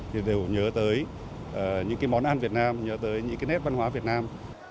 thì đều nhớ tới những món ăn việt nam nhớ tới những nét văn hóa việt nam